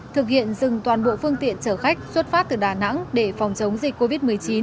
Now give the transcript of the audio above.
thực hiện dừng toàn bộ phương tiện chở khách xuất phát từ đà nẵng để phòng chống dịch covid một mươi chín